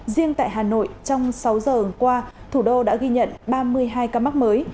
riêng tại hà nội trong sáu giờ qua thủ đô đã ghi nhận ba mươi hai ca mắc mới